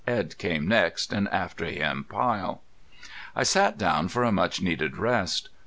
Edd came next, and after him Pyle. I sat down for a much needed rest.